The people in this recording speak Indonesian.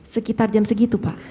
sekitar jam segitu pak